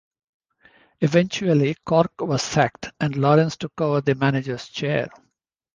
Eventually Cork was sacked, and Lawrence took over the manager's chair.